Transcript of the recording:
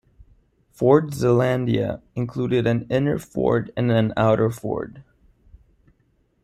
Fort Zeelandia included an "inner fort" and an "outer fort".